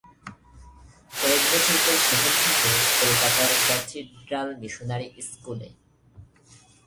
কয়েক বছর পর সেখান থেকে কলকাতার ক্যাথিড্রাল মিশনারি স্কুলে।